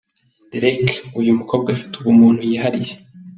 Derek ’uyu mukobwa afite ubumuntu yihariye’.